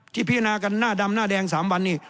พิจารณากันหน้าดำหน้าแดง๓วันนี้